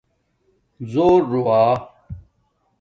زورُوا